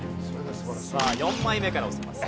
さあ４枚目から押せます。